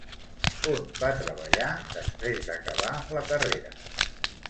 On va treballar després d'acabar la carrera?